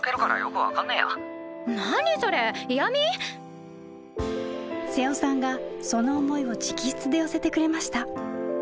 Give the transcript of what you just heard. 瀬尾さんがその思いを直筆で寄せてくれました。